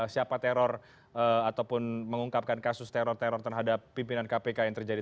siapa teror ataupun mengungkapkan kasus teror teror terhadap pimpinan kpk yang terjadi